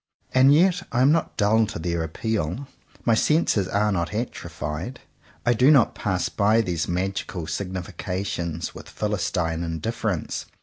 And yet I am not dull to their appeal. My senses are not atrophied. I do not pass by these magical significations with philistine indifference.